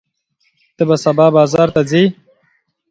ته به سبا بازار ته ځې؟